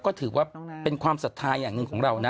ก็ถือว่าเป็นความศรัทธาอย่างหนึ่งของเรานะ